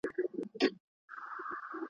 د لویې جرګي په اړه د نړیوالو غبرګون څه دی؟